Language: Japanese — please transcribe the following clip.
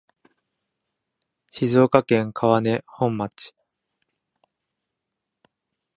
静岡県川根本町